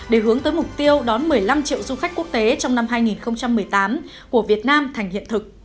để hướng tới mục tiêu đón một mươi năm triệu du khách quốc tế trong năm hai nghìn một mươi tám của việt nam thành hiện thực